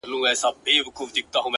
ه ولي په زاړه درد کي پایماله یې’